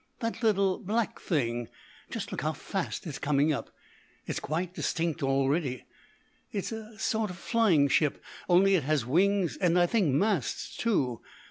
That little black thing. Just look how fast it's coming up; it's quite distinct already. It's a sort of flying ship, only it has wings and, I think, masts too.